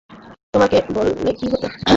তোমাকে বললে কি হতো?